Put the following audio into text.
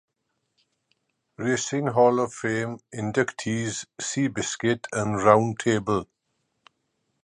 Racing Hall of Fame inductees Seabiscuit and Round Table.